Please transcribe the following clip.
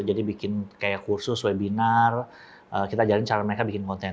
jadi kita membuat kursus webinar kita ajarkan cara mereka membuat konten